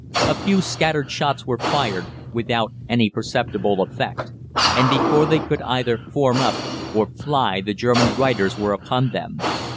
A few scattered shots were fired, without any perceptible effect, and before they could either form up or fly the German Reiters were upon them.